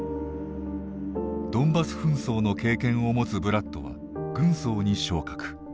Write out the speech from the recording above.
ドンバス紛争の経験を持つブラッドは軍曹に昇格。